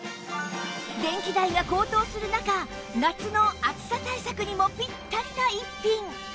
電気代が高騰する中夏の暑さ対策にもピッタリな逸品